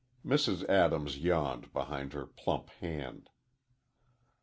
Mrs. Adams yawned behind her plump hand.